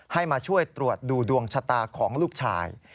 ให้มาช่วยตรวจดูดวงชะตาของลูกชาย